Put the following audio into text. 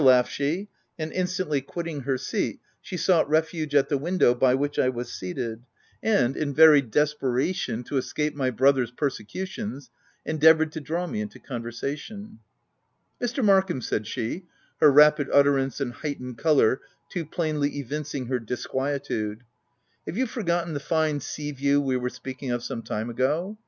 laughed she, and in stantly quitting her seat, she sought refuge at the window by which I was seated, and, in very desperation, to escape my brother's persecutions, endeavoured to draw me into conversation. 11 Mr. Markham/' said she, her rapid utter ance and heightened colour too plainly evincing OF WILDFELL HALL. 121 her disquietude ;" have you forgotten the fine sea view we were speaking of some time ago